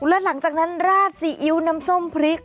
แล้วหลังจากนั้นราดซีอิ๊วน้ำส้มพริก